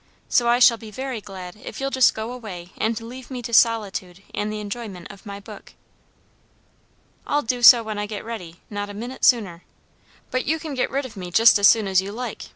So I shall be very glad if you'll just go away and leave me to solitude and the enjoyment of my book." "I'll do so when I get ready; not a minute sooner. But you can get rid of me just as soon as you like.